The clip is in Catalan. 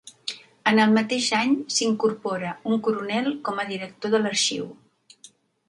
En el mateix any s’incorpora un coronel com a director de l'arxiu.